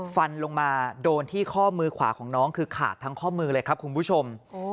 ฟันลงมาโดนที่ข้อมือขวาของน้องคือขาดทั้งข้อมือเลยครับคุณผู้ชม